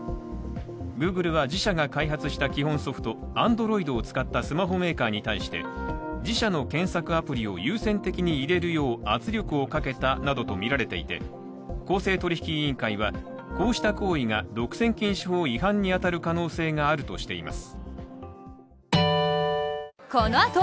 Ｇｏｏｇｌｅは自社が開発した基本ソフトＡｎｄｒｏｉｄを使ったスマホメーカーに対して自社の検索アプリを優先的に入れるよう圧力をかけたなどとみられていて公正取引委員会はこうした行為が独占禁止法に当たる可能性があるとしています。